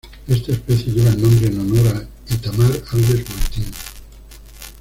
Esta especie lleva el nombre en honor a Itamar Alves Martins.